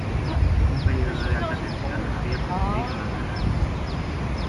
Un período de alta tensión había precedido a la guerra.